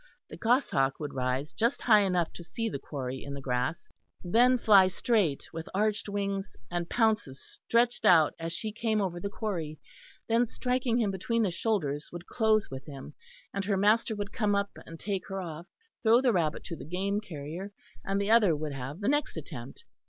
The goshawk would rise just high enough to see the quarry in the grass, then fly straight with arched wings and pounces stretched out as she came over the quarry; then striking him between the shoulders would close with him; and her master would come up and take her off, throw the rabbit to the game carrier; and the other would have the next attempt.